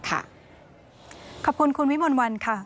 ขอบคุณคุณวิมวลวันค่ะ